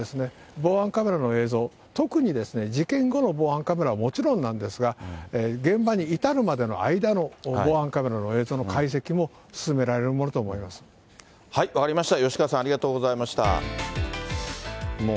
防犯カメラの映像、特に事件後の防犯カメラはもちろんなんですが、現場に至るまでの間の防犯カメラの映像の解析も進められるものと分かりました。